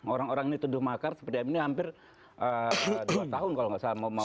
orang orang ini tuduh makar seperti m ini hampir dua tahun kalau nggak salah